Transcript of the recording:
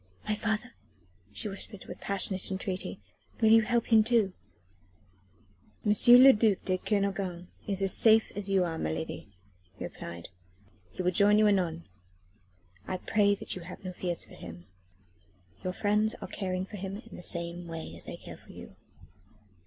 "My father?" she whispered with passionate entreaty. "Will you help him too?" "M. le duc de Kernogan is as safe as you are, my lady," he replied. "He will join you anon. I pray you have no fears for him. Your friends are caring for him in the same way as they care for you."